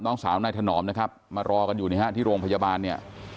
น้องสาวนายถนอมนะครับมารอกันอยู่นะฮะที่โรงพยาบาลเนี่ย